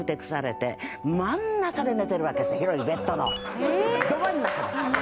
広いベッドのど真ん中で。